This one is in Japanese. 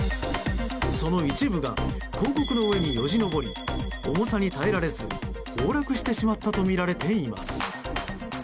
その一部が広告の上によじ登り重さに耐えられず崩落してしまったとみられています。